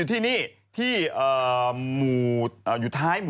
อุ๊ย